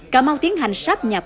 cà mau tiến hành sắp nhập